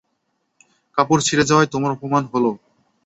কাপড় ছিড়ে যাওয়ায় তোমার অপমান হলো।